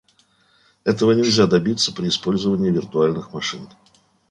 Этого нельзя добиться при использовании виртуальных машин